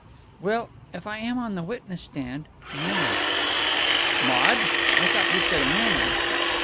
"Well, if I am on the witness stand Maude." "Maude? I thought you said a man?"